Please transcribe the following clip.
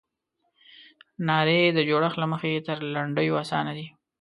نارې د جوړښت له مخې تر لنډیو اسانه دي.